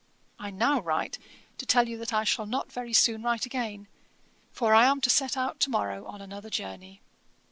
I now write to tell you that I shall not very soon write again, for I am to set out to morrow on another journey.